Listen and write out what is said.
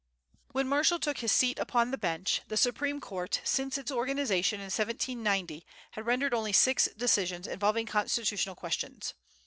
When Marshall took his seat upon the bench, the Supreme Court, since its organization in 1790, had rendered only six decisions involving constitutional questions.